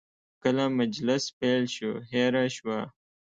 کله مجلس پیل شو، هیره شوه.